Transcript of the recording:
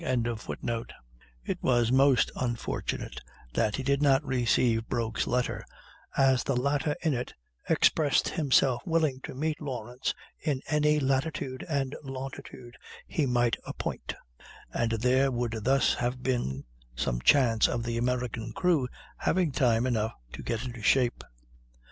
] It was most unfortunate that he did not receive Broke's letter, as the latter in it expressed himself willing to meet Lawrence in any latitude and longitude he might appoint; and there would thus have been some chance of the American crew having time enough to get into shape.